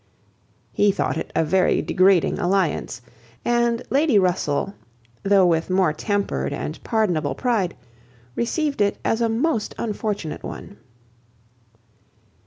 He thought it a very degrading alliance; and Lady Russell, though with more tempered and pardonable pride, received it as a most unfortunate one.